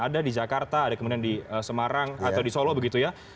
ada di jakarta ada kemudian di semarang atau di solo begitu ya